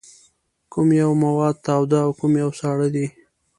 کوم یو مواد تاوده او کوم یو ساړه دي؟